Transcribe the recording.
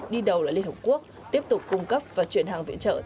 đi đầu là liên hợp quốc tiếp tục cung cấp và chuyển hàng viện trợ tới libya